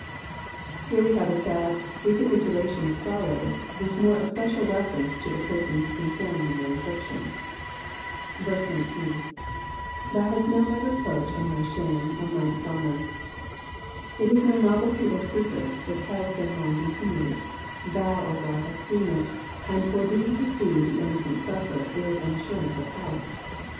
Here we have a sad recapitulation of sorrows, with more especial reference to the persons concerned in their infliction. 19. ^*^Thou hast known my reproach, and my shame^ and my dishonour, ^'* It is no novelty or secret, it has been long continued ; thou, O God, hast seen it ; and for thee to see the innocent suffer is an assurance of help.